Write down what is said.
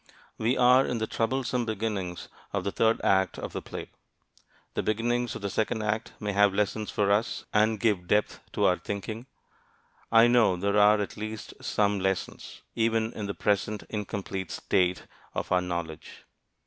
We are in the troublesome beginnings of the third act of the play. The beginnings of the second act may have lessons for us and give depth to our thinking. I know there are at least some lessons, even in the present incomplete state of our knowledge.